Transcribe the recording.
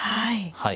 はい。